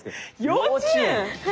幼稚園。